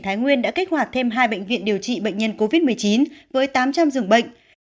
thái nguyên đã kích hoạt thêm hai bệnh viện điều trị bệnh nhân covid một mươi chín với tám trăm linh dường bệnh